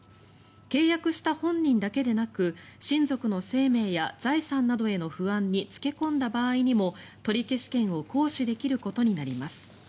契約した本人だけでなく親族の生命や財産などへの不安に付け込んだ場合にも取消権を行使できることになります。